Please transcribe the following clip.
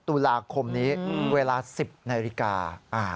ตุลาคมนี้เวลา๑๐นาฬิกา